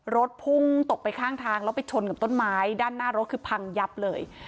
รถพุ่งตกไปข้างทางแล้วไปชนกับต้นไม้ด้านหน้ารถคือพังยับเลย